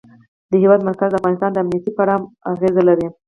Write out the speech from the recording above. د هېواد مرکز د افغانستان د امنیت په اړه هم اغېز لري.